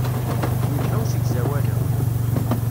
Yelha usegzawal-a.